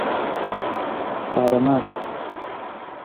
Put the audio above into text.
قارەمانە.